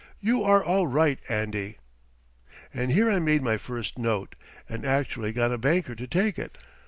You are all right, Andy." And here I made my first note, and actually got a banker to take it.